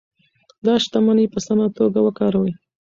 دا شتمني په سمه توګه وکاروئ.